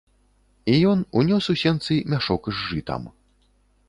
І ён унёс у сенцы мяшок з жытам.